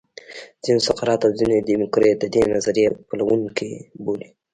ځینې سقرات او ځینې دیموکریت د دې نظریې پیلوونکي بولي